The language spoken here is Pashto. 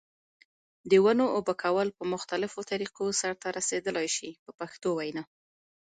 د ونو اوبه کول په مختلفو طریقو سرته رسیدلای شي په پښتو وینا.